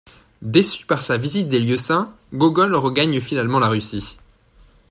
Déçu par sa visite des lieux saints, Gogol regagne finalement la Russie.